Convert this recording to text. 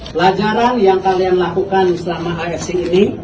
pelajaran yang kalian lakukan selama asing ini